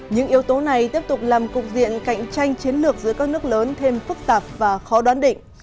những yếu tố này tiếp tục làm cục diện cạnh tranh chiến lược giữa các nước lớn thêm phức tạp và khó đoán định